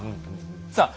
さあ